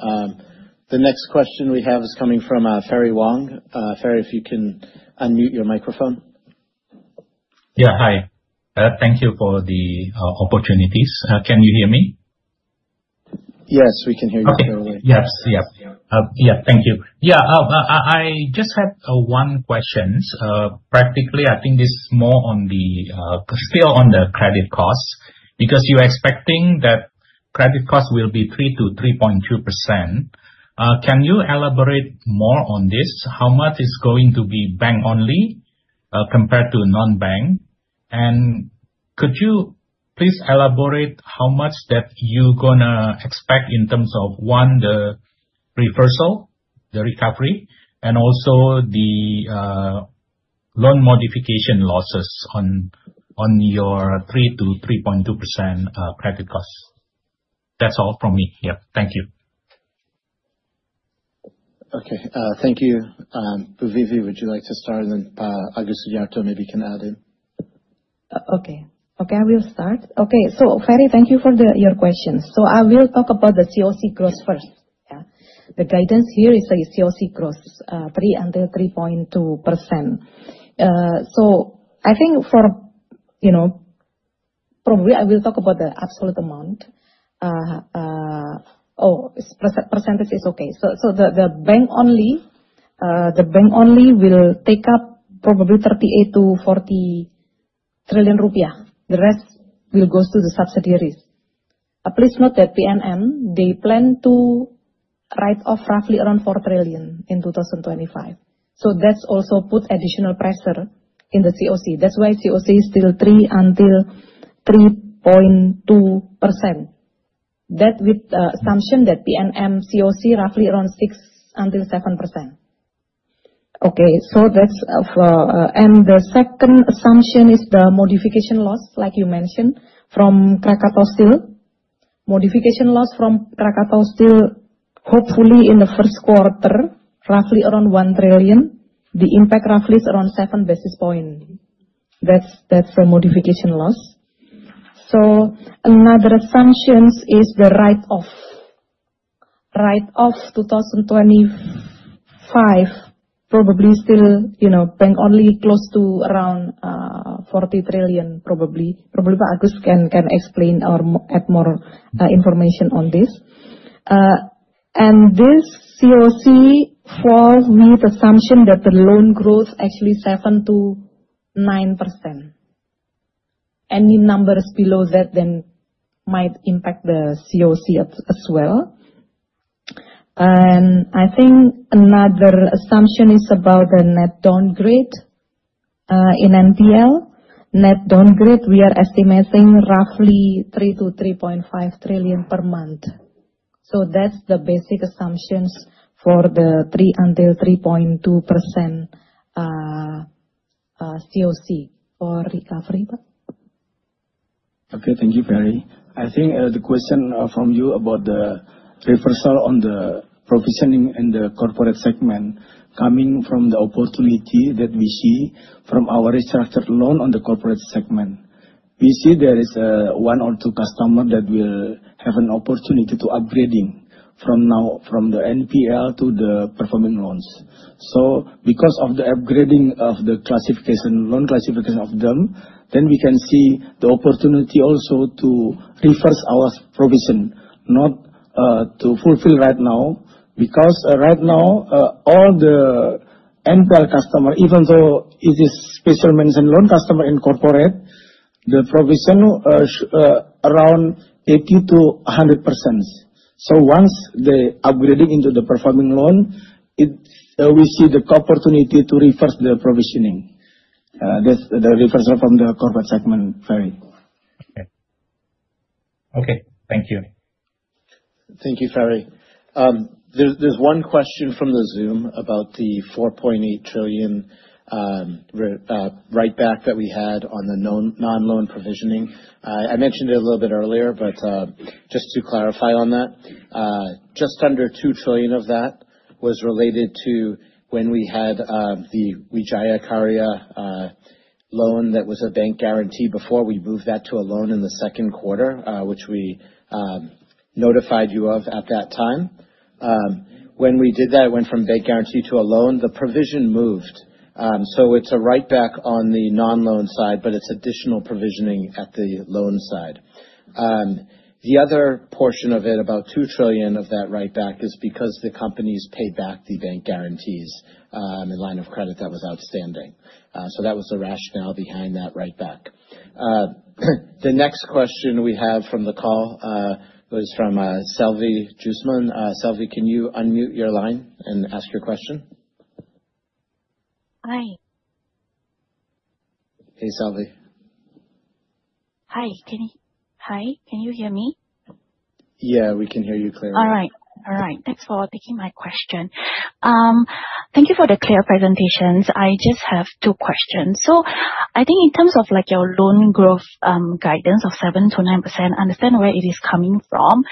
Speaker 1: The next question we have is coming from Ferry Wong. Ferry, if you can unmute your microphone.
Speaker 9: Yeah, hi. Thank you for the opportunities. Can you hear me?
Speaker 1: Yes, we can hear you clearly.
Speaker 9: Yeah, thank you. Yeah, I just had one question. Practically, I think this is still on the credit cost, because you're expecting that credit cost will be 3%-3.2%. Can you elaborate more on this? How much is going to be bank-only compared to non-bank? Could you please elaborate how much that you're going to expect in terms of, one, the reversal, the recovery, and also the loan modification losses on your 3%-3.2% credit cost? That's all from me. Yeah, thank you.
Speaker 1: Thank you. Vivi, would you like to start? Then Pak Agus Sudiarto maybe can add in.
Speaker 4: Okay, I will start. Ferry, thank you for your question. I will talk about the COC growth first. The guidance here is the COC growth, 3%-3.2%. I think for probably I will talk about the absolute amount. Oh, percentage is okay. The bank-only will take up probably 38 trillion-40 trillion rupiah. The rest will go to the subsidiaries. Please note that PNM, they plan to write off roughly around 4 trillion in 2025. That's also put additional pressure in the COC. That's why COC is still 3%-3.2%, that's with the assumption that PNM COC is roughly around 6%-7%. Okay, and the second assumption is the modification loss, like you mentioned, from Krakatau Steel. Modification loss from Krakatau Steel, hopefully in the first quarter, roughly around 1 trillion. The impact roughly is around 7 basis points. That's the modification loss. Another assumption is the write-off. Write-off 2025, probably still bank-only close to around 40 trillion, probably. Probably Pak Agus can explain or add more information on this. This COC falls with the assumption that the loan growth is actually 7%-9%. Any numbers below that then might impact the COC as well. I think another assumption is about the net downgrade in NPL. Net downgrade, we are estimating roughly 3 trillion-3.5 trillion per month, so that's the basic assumptions for the 3%-3.2% COC for recovery.
Speaker 5: Okay. Thank you, Ferry. I think the question from you about the reversal on the provisioning in the corporate segment, coming from the opportunity that we see from our restructured loan on the corporate segment, we see there is one or two customers that will have an opportunity to upgrade from now from the NPL to the performing loans. Because of the upgrading of the classification loan, classification of them, then we can see the opportunity also to reverse our provision, not to fulfill right now. Because right now, all the NPL customers, even though it is special mention loan customers in corporate, the provision is around 80%-100%. Once they upgrade into the performing loan, we see the opportunity to reverse the provisioning, the reversal from the corporate segment, Ferry.
Speaker 9: Okay, thank you.
Speaker 1: Thank you, Ferry. There's one question from the Zoom about the 4.8 trillion write-back that we had on the non-loan provisioning. I mentioned it a little bit earlier, but just to clarify on that, just under 2 trillion of that was related to when we had the Wijaya Karya loan that was a bank guarantee before we moved that to a loan in the second quarter, which we notified you of at that time. When we did that, it went from bank guarantee to a loan. The provision moved. It's a write-back on the non-loan side, but it's additional provisioning at the loan side. The other portion of it, about 2 trillion of that write-back is because the companies paid back the bank guarantees in the line of credit that was outstanding. That was the rationale behind that write-back. The next question we have from the call was from Selvi Jusman. Selvi, can you unmute your line and ask your question?
Speaker 10: Hi.
Speaker 1: Hey, Selvi.
Speaker 10: Hi. Can you hear me?
Speaker 1: Yeah, we can hear you clearly.
Speaker 10: All right, thanks for taking my question. Thank you for the clear presentations. I just have two questions. I think in terms of your loan growth guidance of 7%-9%, I understand where it is coming from.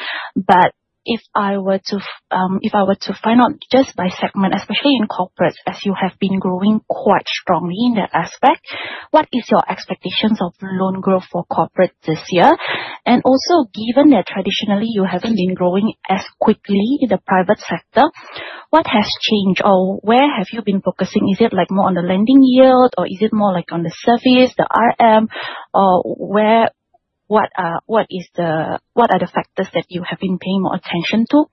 Speaker 10: If I were to find out just by segment, especially in corporates, as you have been growing quite strongly in that aspect, what is your expectations of loan growth for corporates this year? Also, given that traditionally you haven't been growing as quickly in the private sector, what has changed or where have you been focusing? Is it more on the lending yield, or is it more on the service, the RM, or what are the factors that you have been paying more attention to?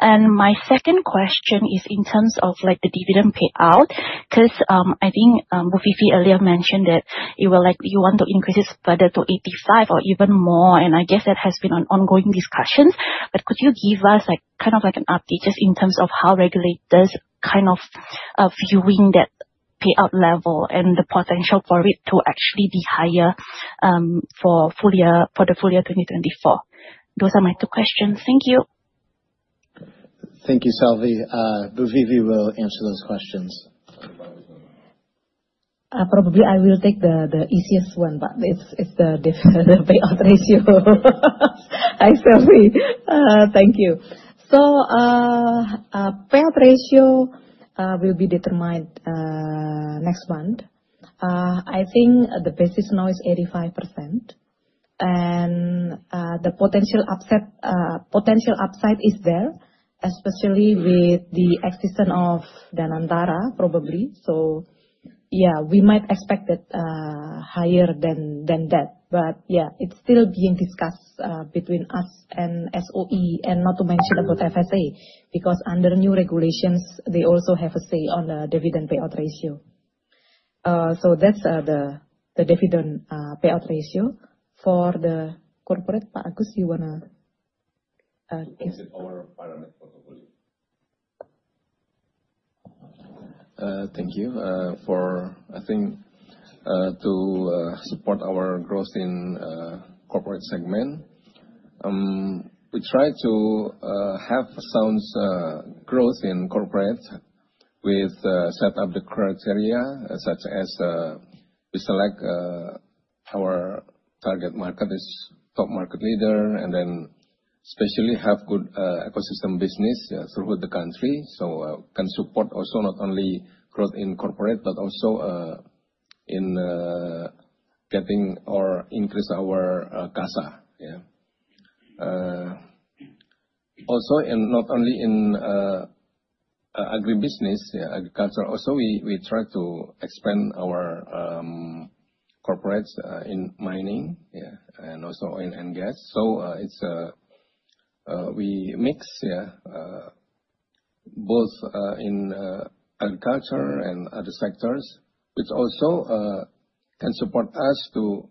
Speaker 10: My second question is in terms of the dividend payout, because I think Vivi earlier mentioned that you want to increase it further to 85% or even more. I guess that has been an ongoing discussions. Could you give us kind of an update just in terms of how regulators are kind of viewing that payout level, and the potential for it to actually be higher for the full-year 2024? Those are my two questions. Thank you.
Speaker 1: Thank you, Selvi. Vivi will answer those questions.
Speaker 4: Probably I will take the easiest one, but it's the payout ratio. Hi, Selvi. Thank you. Payout ratio will be determined next month. I think the basis now is 85%. The potential upside is there, especially with the existence of Danantara probably. Yeah, we might expect it higher than that. Yeah, it's still being discussed between us and SOE, and not to mention about FSA, because under new regulations, they also have a say on the dividend payout ratio. That's the dividend payout ratio for the corporate. Pak Agus, you want to give?
Speaker 5: Thank you. I think to support our growth in the corporate segment, we try to have sound growth in corporates with set up the criteria such as, we select our target market as top market leader, and then especially have good ecosystem business throughout the country, so we can support also not only growth in corporate, but also increase our CASA. Also, and not only in agribusiness, agriculture, also we try to expand our corporates in mining and also in gas. We mix both in agriculture and other sectors, which also can support us to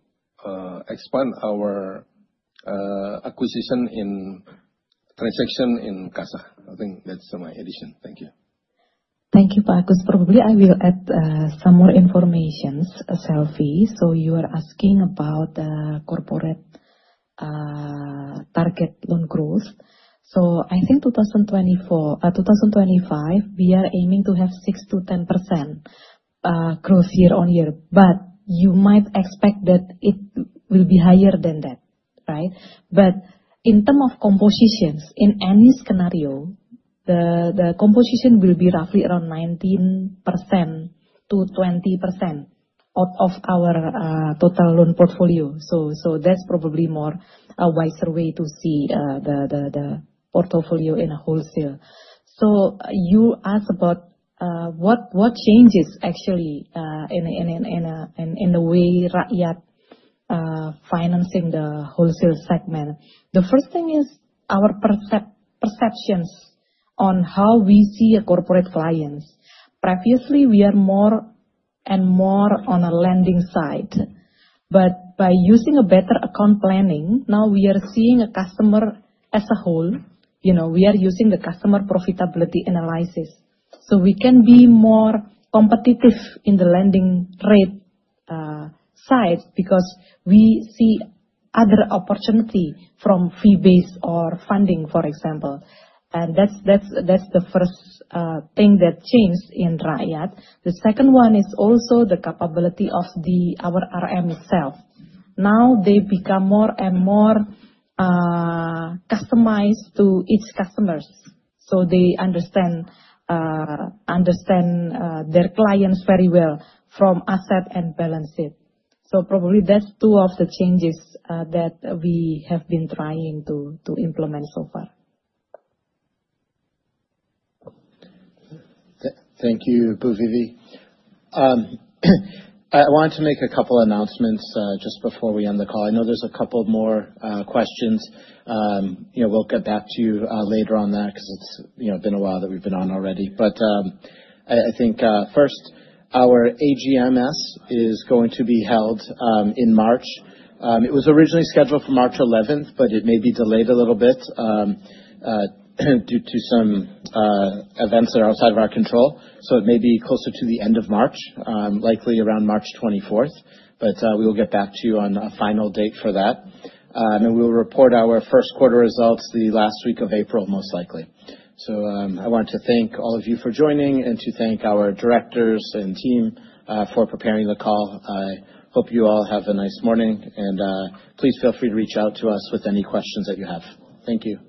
Speaker 5: expand our acquisition in transaction in CASA. I think that's my addition. Thank you.
Speaker 4: Thank you, Pak Agus. Probably I will add some more information, Selvi, so you are asking about the corporate target loan growth. I think in 2025, we are aiming to have 6%-10% growth year-on-year, but you might expect that it will be higher than that, right? In terms of compositions, in any scenario, the composition will be roughly around 19%-20% out of our total loan portfolio. That's probably a wiser way to see the portfolio in a wholesale. You asked about what changes actually in the way Rakyat are financing the wholesale segment. The first thing is our perceptions on how we see corporate clients. Previously, we are more and more on a lending side, but by using a better account planning, now we are seeing a customer as a whole. We are using the customer profitability analysis. We can be more competitive in the lending rate side, because we see other opportunities from fee-based or funding, for example. That's the first thing that changed in Rakyat. The second one is also the capability of our RM itself. Now they become more and more customized to each customer, so they understand their clients very well from asset and balance sheet. Probably that's two of the changes that we have been trying to implement so far.
Speaker 1: Thank you, Bu Vivi. I wanted to make a couple of announcements just before we end the call. I know there's a couple more questions. We'll get back to you later on that because it's been a while that we've been on already. I think first, our AGMS is going to be held in March. It was originally scheduled for March 11th, but it may be delayed a little bit due to some events that are outside of our control. It may be closer to the end of March, likely around March 24th, but we will get back to you on a final date for that. We will report our first quarter results the last week of April, most likely. I want to thank all of you for joining, and to thank our directors and team for preparing the call. I hope you all have a nice morning. Please feel free to reach out to us with any questions that you have. Thank you.